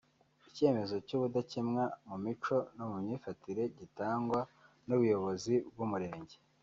icyemezo cy’ubudakemwa mu mico no mu myifatire gitangwa n’ubuyobozi bw’Umurenge